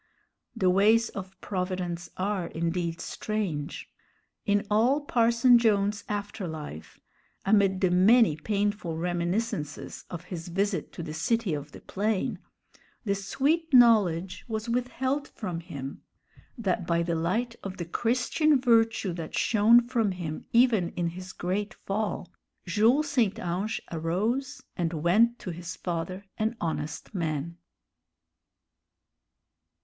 The ways of Providence are indeed strange. In all Parson Jones's after life, amid the many painful reminiscences of his visit to the City of the Plain, the sweet knowledge was withheld from him that by the light of the Christian virtue that shone from him even in his great fall, Jules St. Ange arose, and went to his father an honest man.